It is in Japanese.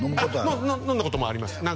飲んだこともあります